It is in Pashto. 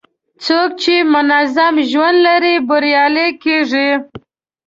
څوک چې منظم ژوند لري، بریالی کېږي.